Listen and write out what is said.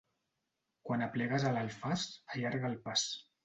Quan aplegues a l'Alfàs, allarga el pas.